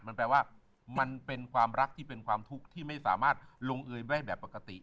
มันแปลว่ามันเป็นความรักที่เป็นความทุกข์ที่ไม่สามารถลงเอยได้แบบปกติ